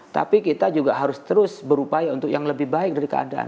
tapi kita juga harus terus berupaya untuk yang lebih baik dari keadaan